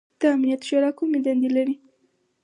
د امنیت شورا کومې دندې لري؟